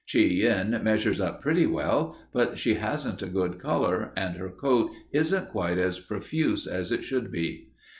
Chi Yen measures up pretty well, but she hasn't a good color and her coat isn't quite as profuse as it should be.